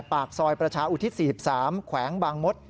ปากซอยประชาอุทิศ๔๓แขวงบางมด